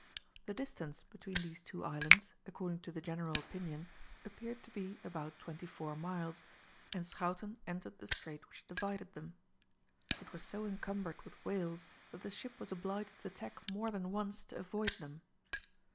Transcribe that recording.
The distance between these two islands, according to the general opinion, appeared to be about twenty four miles, and Schouten entered the strait which divided them. It was so encumbered with whales that the ship was obliged to tack more than once to avoid them.